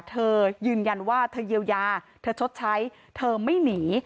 เธอยืนยันว่าเธอเยียวยาเธอชดใช้เธอไม่หนี